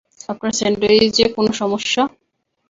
আপনার স্যান্ডউইচে কোনো সমস্যা?